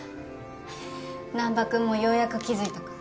難破君もようやく気付いたか。